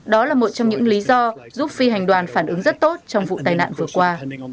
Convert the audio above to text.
đó là một trong những lý do giúp phi hành đoàn phản ứng rất tốt trong vụ tai nạn vừa qua